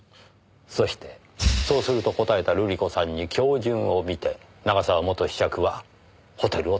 そしてそうすると答えた瑠璃子さんに恭順を見て永沢元子爵はホテルを発っています。